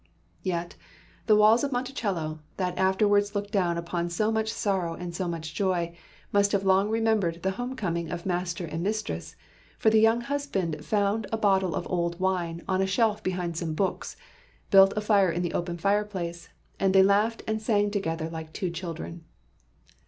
Yet, the walls of Monticello, that afterwards looked down upon so much sorrow and so much joy, must have long remembered the home coming of master and mistress, for the young husband found a bottle of old wine "on a shelf behind some books," built a fire in the open fireplace, and "they laughed and sang together like two children."